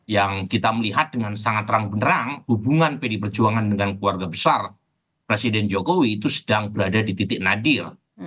yang kita melihat dengan sangat terang benerang hubungan pdi perjuangan dengan keluarga besar presiden jokowi itu sedang berada di titik nadil